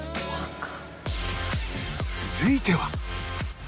続いては